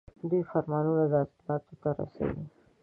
دوی فرمانونه عضلاتو ته رسوي.